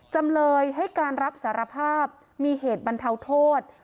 จำเลยให้การรับสารภาพมีเหตุบรรเทาโทษ